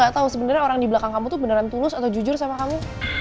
kamu aja gak tau sebenernya orang di belakang kamu tuh beneran tulus atau jujur sama kamu